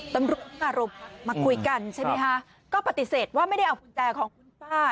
ตำรวจอารมณ์มาคุยกันใช่ไหมคะก็ปฏิเสธว่าไม่ได้เอากุญแจของคุณป้า